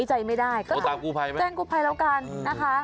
จุดตามกูภัยละกันนะคะ